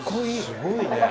すごいね。